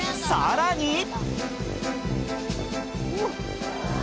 ［さらに］